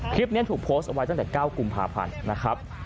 คลิปนี้ถูกโพสต์เอาไว้ตั้งแต่๙กุมภาพันธ์นะครับ